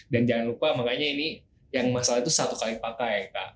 dan jangan lupa makanya ini yang masalah itu satu kali pakai kak